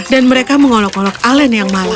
dua kaki tanpa sepeda